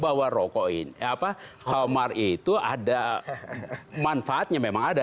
bahwa homar itu ada manfaatnya memang ada